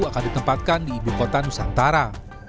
akan ditempatkan di ibu kota nusantara